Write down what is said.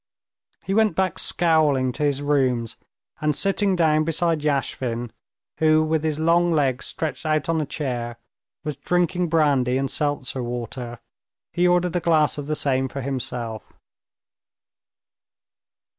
He went back scowling to his rooms, and sitting down beside Yashvin, who, with his long legs stretched out on a chair, was drinking brandy and seltzer water, he ordered a glass of the same for himself.